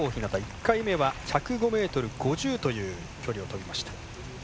１回目は１０５ｍ５０という距離を飛びました。